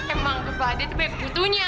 emang kebade itu banyak butuhnya